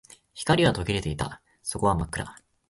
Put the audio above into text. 光は途切れていた。底は真っ暗。